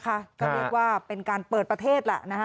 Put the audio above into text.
ก็เรียกว่าเป็นการเปิดประเทศแหละ